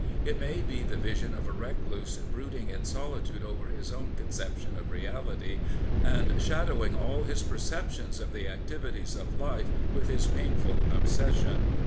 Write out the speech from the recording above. It may be the vision of a recluse brooding in solitude over his own conception of reality and shadowing all his perceptions of the activities of life with his painful obsession.